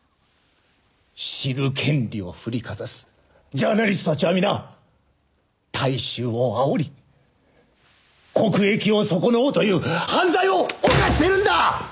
知る権利を振りかざすジャーナリストたちは皆大衆をあおり国益を損なうという犯罪を犯しているんだ！